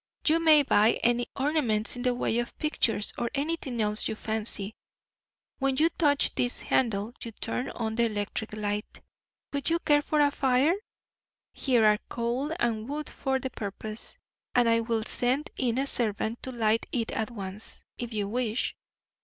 You may buy any ornaments in the way of pictures, or anything else you fancy. When you touch this handle you turn on the electric light. Would you care for a fire? Here are coal and wood for the purpose, and I will send in a servant to light it at once, if you wish."